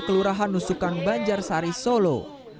kelurahan nusukan banjar sari solo